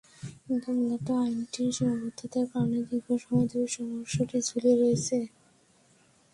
কিন্তু মূলত আইনটির সীমাবদ্ধতার কারণে দীর্ঘ সময় ধরে সমস্যাটি ঝুলে রয়েছে।